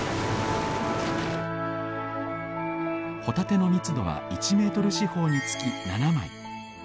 ホタテの密度は１ｍ四方につき７枚。